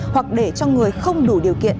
hoặc để cho người không đủ điều kiện